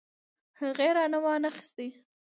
هغې رانه وانه خيستې.